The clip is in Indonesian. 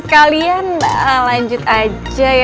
kalian lanjut aja ya